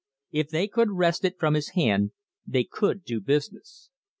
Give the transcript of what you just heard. If they could wrest it from his hand they could do business.